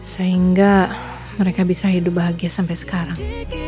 sehingga mereka bisa hidup bahagia sampai sekarang